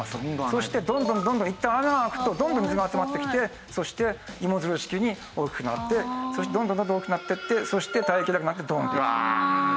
そしてどんどんどんどんいったん穴が開くとどんどん水が集まってきてそして芋づる式に大きくなってどんどんどんどん大きくなっていってそして耐えきれなくなってドーンって。